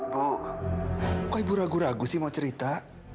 bu kok ibu ragu ragu sih mau cerita